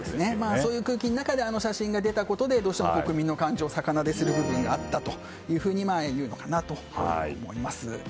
そういう空気の中であの写真が出たことでどうしても国民の感情を逆なでした部分があるのかなと思います。